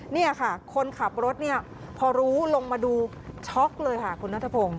นี่ค่ะคนขับรถเนี่ยพอรู้ลงมาดูช็อกเลยค่ะคุณนัทพงศ